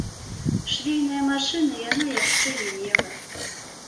Швейнай машыны яна яшчэ не мела.